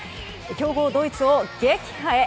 強豪ドイツを撃破へ。